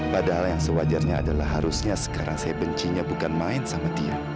padahal yang sewajarnya adalah harusnya sekarang saya bencinya bukan main sama dia